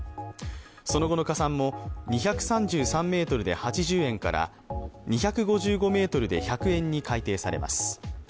その後の加算も、２３３ｍで８０円から２５５ｍで１００円に改定されます。